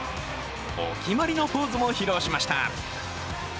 お決まりのポーズも披露しました。